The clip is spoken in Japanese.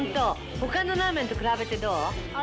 ほかのラーメンと比べてどう？